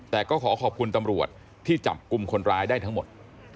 แต่ก็ขอขอบคุณตำรวจที่จับกลุ่มคนร้ายได้ทั้งหมด